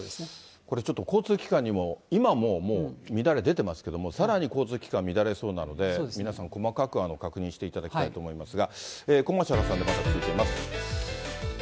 これちょっと、交通機関にも、今もう、乱れ出てますけども、さらに交通機関乱れそうなので、皆さん、細かく確認していただきたいと思いますが。